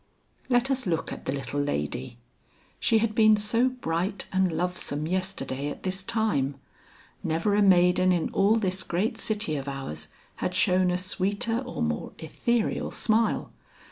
Let us look at the little lady. She had been so bright and lovesome yesterday at this time. Never a maiden in all this great city of ours had shown a sweeter or more etherial smile.